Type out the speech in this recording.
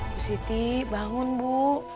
bu siti bangun bu